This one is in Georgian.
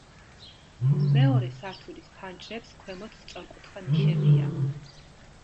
მეორე სართულის ფანჯრებს ქვემოთ სწორკუთხა ნიშებია.